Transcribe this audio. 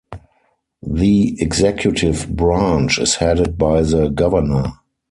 The executive branch is headed by the governor.